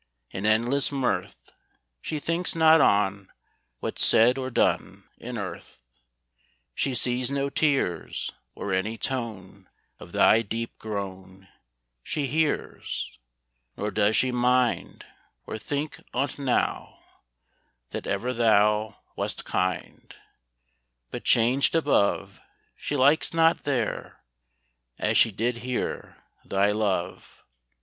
In endless mirth, She thinks not on What's said or done In earth: She sees no tears, Or any tone Of thy deep groan She hears; Nor does she mind, Or think on't now, That ever thou Wast kind: But changed above, She likes not there, As she did here, Thy love.